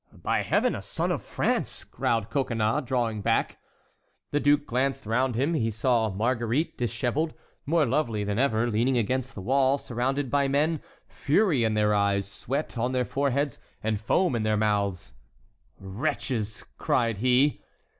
"By Heaven! a son of France!" growled Coconnas, drawing back. The duke glanced round him. He saw Marguerite, dishevelled, more lovely than ever, leaning against the wall, surrounded by men, fury in their eyes, sweat on their foreheads, and foam in their mouths. "Wretches!" cried he.